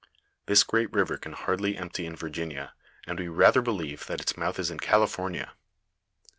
This great river can hardly empty in Virginia, and we rather believe that its mouth is in California.